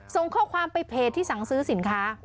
ส่งข้อความไปเพจที่สั่งซื้อสินค้า